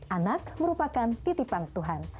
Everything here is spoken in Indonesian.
anak merupakan titipan tuhan